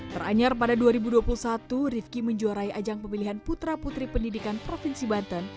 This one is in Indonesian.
teranyar pada dua ribu dua puluh satu rifki menjuarai ajang pemilihan putra putri pendidikan provinsi banten